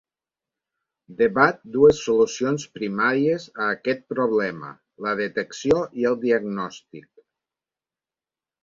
Debat dues solucions primàries a aquest problema, la detecció i el diagnòstic.